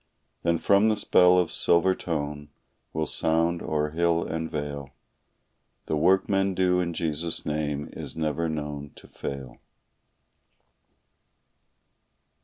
Then from this bell of silver tone will sound o'er hill and vale: "The work men do in Jesus' name is never known to fail."